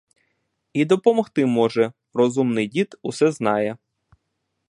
І допомогти може — розумний дід, усе знає.